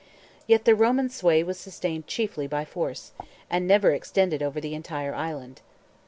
Yet the Roman sway was sustained chiefly by force, and never extended over the entire island.